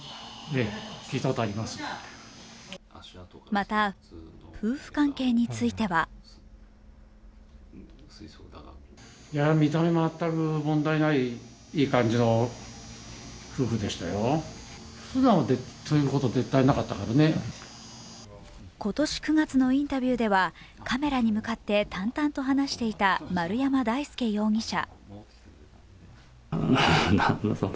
また夫婦関係については今年９月のインタビューではカメラに向かって淡々と話していた丸山大輔容疑者。